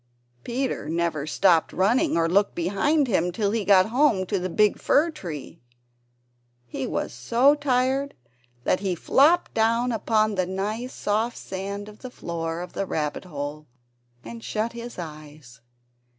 Peter never stopped running or looked behind him till he got home to the big fir tree. He was so tired that he flopped down upon the nice soft sand on the floor of the rabbit hole, and shut his eyes.